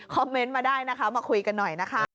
เมนต์มาได้นะคะมาคุยกันหน่อยนะคะ